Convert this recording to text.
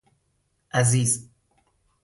عزیز